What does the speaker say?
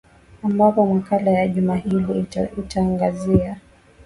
ambapo makala ya juma hili itaangazia